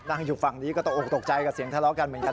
อยู่ฝั่งนี้ก็ตกออกตกใจกับเสียงทะเลาะกันเหมือนกัน